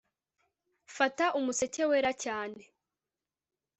Fata umuseke wera cyane